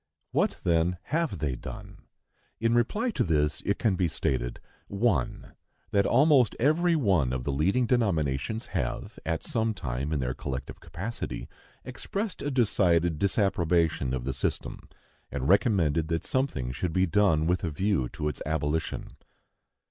What, then, have they done? In reply to this, it can be stated, 1. That almost every one of the leading denominations have, at some time, in their collective capacity, expressed a decided disapprobation of the system, and recommended that something should be done with a view to its abolition.